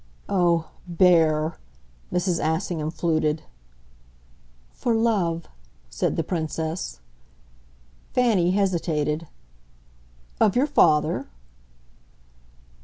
"Oh, 'bear'!" Mrs. Assingham fluted. "For love," said the Princess. Fanny hesitated. "Of your father?"